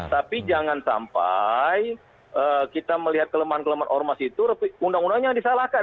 tapi jangan sampai kita melihat kelemahan kelemahan ormas itu undang undangnya disalahkan